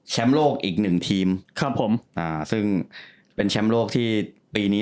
โลกอีกหนึ่งทีมครับผมอ่าซึ่งเป็นแชมป์โลกที่ปีนี้